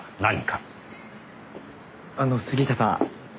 あの杉下さん。